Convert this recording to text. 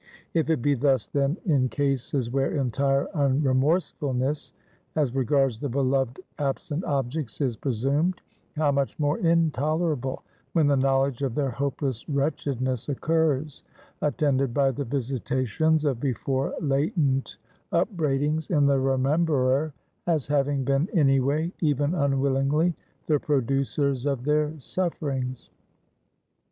If it be thus then in cases where entire unremorsefulness as regards the beloved absent objects is presumed, how much more intolerable, when the knowledge of their hopeless wretchedness occurs, attended by the visitations of before latent upbraidings in the rememberer as having been any way even unwillingly the producers of their sufferings.